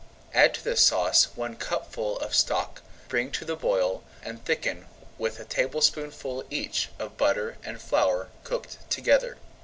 Add to the sauce one cupful of stock, bring to the boil, and thicken with a tablespoonful each of butter and flour cooked together.